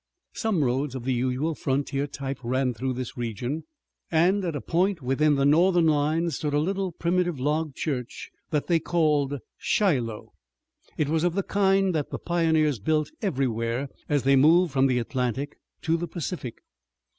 Some roads of the usual frontier type ran through this region, and at a point within the Northern lines stood a little primitive log church that they called Shiloh. It was of the kind that the pioneers built everywhere as they moved from the Atlantic to the Pacific.